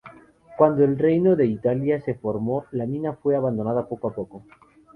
Cuando el reino de Italia se formó, la mina fue abandonada poco a poco.